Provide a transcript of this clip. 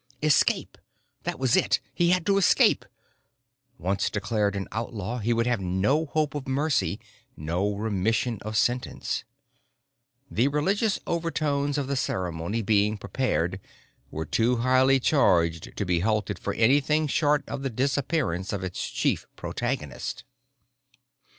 Escape. That was it. He had to escape. Once declared an outlaw, he could have no hope of mercy, no remission of sentence. The religious overtones of the ceremony being prepared were too highly charged to be halted for anything short of the disappearance of its chief protagonist.